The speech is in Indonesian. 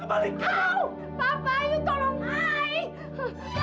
kamu mau aku sembuh